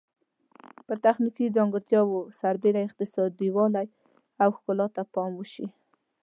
پر تخنیکي ځانګړتیاوو سربیره اقتصادي والی او ښکلا ته پام وشي.